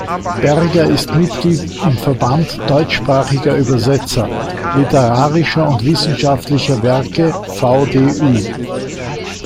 Berger ist Mitglied im Verband deutschsprachiger Übersetzer literarischer und wissenschaftlicher Werke, VdÜ.